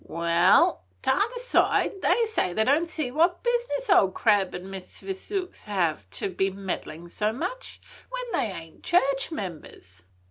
Wal, t'other side, they say they don't see what business Old Crab an' Miss Sphxyx hev to be meddlin' so much, when they ain't church members.